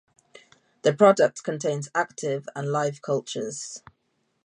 The product contains active and live cultures.